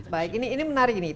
baik ini menarik nih